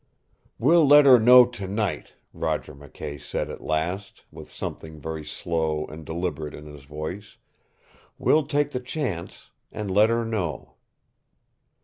"We'll let her know tonight," Roger McKay said at last, with something very slow and deliberate in his voice. "We'll take the chance and let her know."